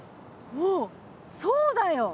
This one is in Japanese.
おそうだよ！